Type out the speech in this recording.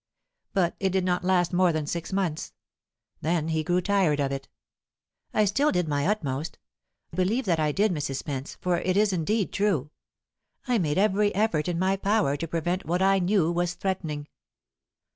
But it did not last more than six months. Then he grew tired of it. I still did my utmost; believe that I did, Mrs. Spence, for it is indeed true. I made every effort in my power to prevent what I knew was threatening.